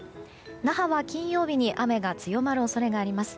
那覇は、金曜日に雨が強まる恐れがあります。